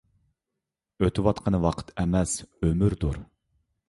ئۆتۈۋاتقىنى ۋاقىت ئەمەس، ئۆمۈردۇر.